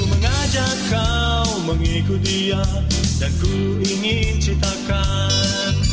aku mengajak kau mengikuti dia dan ku ingin citakan